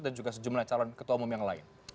dan juga sejumlah calon ketua umum yang lain